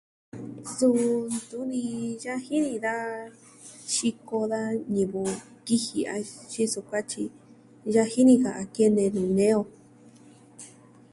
Suu ntuvi yaji ni da xiko da ñivɨ kiji a tyi suu kuatyi yaji ni ka a kene ni nee on.